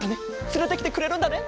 つれてきてくれるんだね？